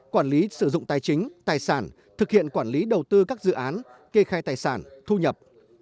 quản lý sử dụng tài chính tài sản thực hiện quản lý đầu tư các dự án kê khai tài sản thu nhập